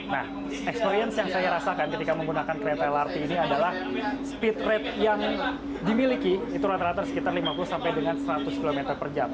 nah experience yang saya rasakan ketika menggunakan kereta lrt ini adalah speed rate yang dimiliki itu rata rata sekitar lima puluh sampai dengan seratus km per jam